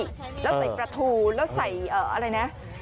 แล้วใส่ปลาทูแล้วใส่อะไรนะ